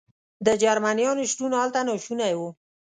د جرمنیانو شتون هلته ناشونی و.